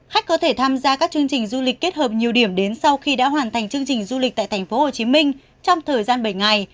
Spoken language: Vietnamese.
khách có thể tham gia các chương trình du lịch kết hợp nhiều điểm đến sau khi đã hoàn thành chương trình du lịch tại tp hcm trong thời gian bảy ngày